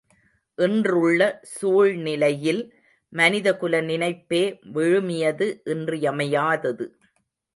இன்றுள்ள சூழ்நிலையில் மனித குல நினைப்பே விழுமியது இன்றியமையாதது.